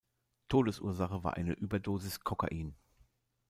Todesursache war eine Überdosis Kokain.